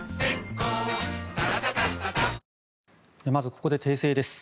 ここで訂正です。